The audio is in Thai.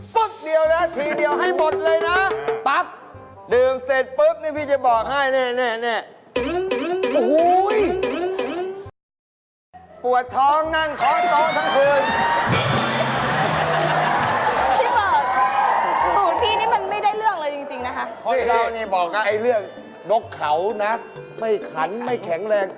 พี่ช่วยอะไรผู้ป่วยผู้ป่วยติดเตียง